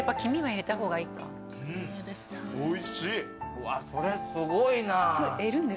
うわっそれすごいなぁ。